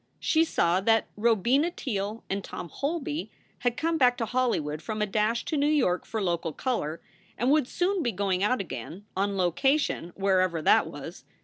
She saw that Robina Teele and Tom Holby had come back to Holly wood from a dash to New York for local color, and would soon be going out again "on location," wherever that was.